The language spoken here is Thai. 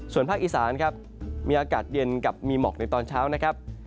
ส่วนภาคอีสานครับมีอากาศเย็นกับมีหมอกในตอนเช้านะครับ